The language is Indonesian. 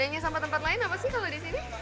tanya sama tempat lain apa sih kalau di sini